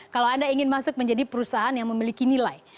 kalau anda ingin masuk menjadi perusahaan yang memiliki nilai